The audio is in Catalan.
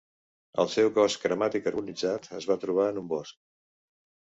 El seu cos cremat i carbonitzat es va trobar en un bosc.